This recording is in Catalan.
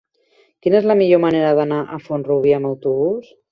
Quina és la millor manera d'anar a Font-rubí amb autobús?